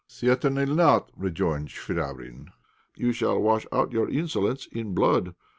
"Certainly not," rejoined Chvabrine. "You shall wash out your insolence in blood.